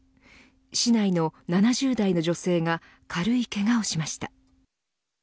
市内の７０代の女性が軽いけがをしました。